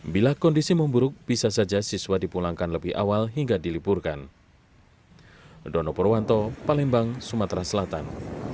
bila kondisi memburuk bisa saja siswa dipulangkan lebih awal hingga diliburkan